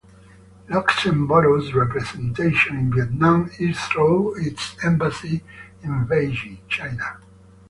Luxembourg's representation in Vietnam is through its embassy in Beijing, China.